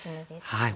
はい。